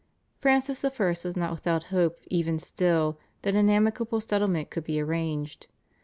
Francis I. was not without hope even still that an amicable settlement could be arranged.